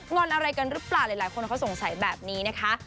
อนอะไรกันหรือเปล่าหลายคนเขาสงสัยแบบนี้นะคะ